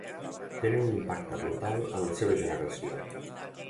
Tenen un impacte brutal en la seva generació.